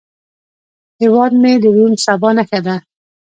هیواد مې د روڼ سبا نښه ده